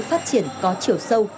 phát triển có chiều sâu